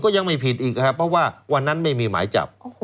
ก็ยังไม่ผิดอีกครับเพราะว่าวันนั้นไม่มีหมายจับ